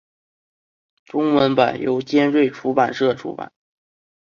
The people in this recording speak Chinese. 中文版由尖端出版社出版。